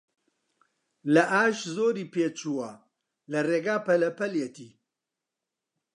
لە ئاش زۆری پێچووە، لە ڕێگا پەلە پەلیەتی